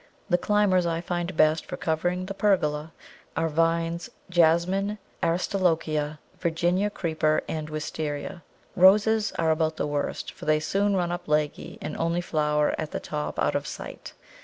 _)] The climbers I find best for covering the pergola are Vines, Jasmine, Aristolochia, Virginia Creeper, and Wistaria. Roses are about the worst, for they soon run up leggy, and only flower at the top out of sight.